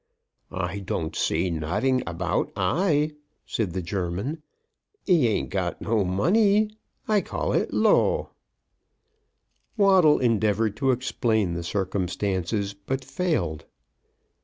"I don't see nodin about 'igh," said the German. "He ain't got no money. I call it low." Waddle endeavoured to explain the circumstances, but failed.